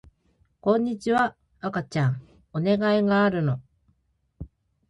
こんにちは赤ちゃんお願いがあるの